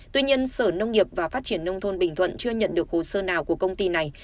tuy nhiên sở nông nghiệp và phát triển nông thôn bình thuận chưa nhận được hồ sơ nào của công ty này